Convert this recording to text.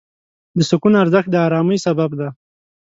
د سکون ارزښت د آرامۍ سبب دی.